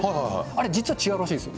あれ、実は違うらしいです。